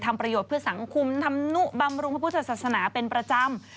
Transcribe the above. ประโยชน์เพื่อสังคมทำนุบำรุงพระพุทธศาสนาเป็นประจำ